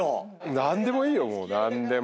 何でもいいよ何でも。